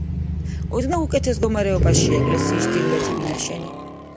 ოდნავ უკეთეს მდგომარეობაშია ეკლესიის ჩრდილოეთი მინაშენი.